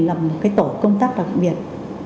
lập một cái tổ công tác đặc biệt